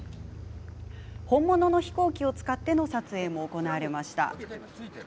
本物の飛行機を使っての撮影も行われました。